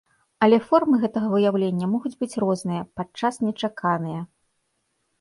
Але формы гэтага выяўлення могуць быць розныя, падчас нечаканыя.